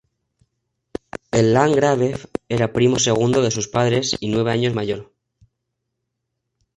El landgrave era primo segundo de sus padres y nueve años mayor.